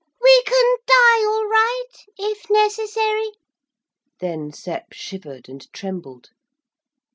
We can die all right if necessary.' Then Sep shivered and trembled.